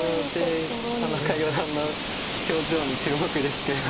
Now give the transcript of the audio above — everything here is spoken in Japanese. ここで田中四段の表情に注目ですけど。